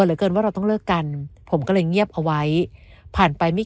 เหลือเกินว่าเราต้องเลิกกันผมก็เลยเงียบเอาไว้ผ่านไปไม่